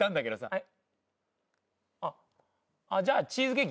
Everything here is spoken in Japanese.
はい。